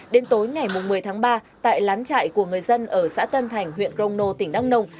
đến tối ngày một mươi tháng ba tại lán trại của người dân ở xã tân thành huyện crono tỉnh đắk nông